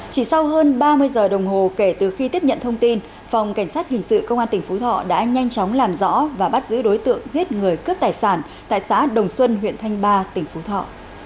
chỉ sau hơn ba mươi giờ đồng hồ kể từ khi tiếp nhận thông tin phòng cảnh sát hình sự công an tỉnh phú thọ đã nhanh chóng làm rõ và bắt giữ đối tượng giết người cướp tài sản tại xã đồng xuân huyện thanh ba tỉnh phú thọ